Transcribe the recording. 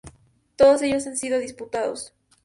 Todos ellos han sido disputados.